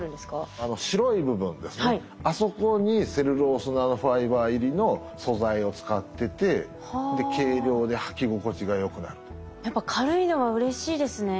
あそこにセルロースナノファイバー入りの素材を使っててやっぱ軽いのはうれしいですね。